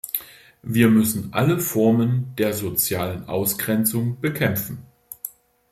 Wir müssen alle Formen der sozialen Ausgrenzung bekämpfen.